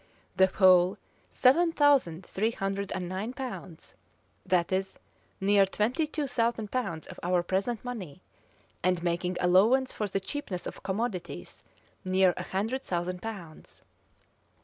The whole, seven thousand three hundred and nine pounds; that is, near twenty two thousand pounds of our present money; and making allowance for the cheapness of commodities, near a hundred thousand pounds.